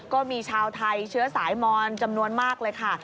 ก็มีชาวไทยเชื้อสายมอนจำนวนมากเลยค่ะ